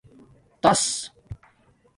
تݳس